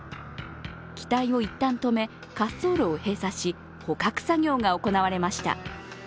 機体を一旦止め、滑走路を閉鎖し、捕獲作業が行われました。